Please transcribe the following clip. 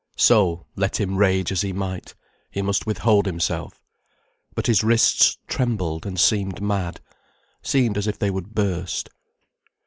So, let him rage as he might, he must withhold himself. But his wrists trembled and seemed mad, seemed as if they would burst.